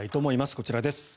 こちらです。